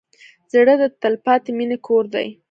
زړه د تلپاتې مینې کور دی.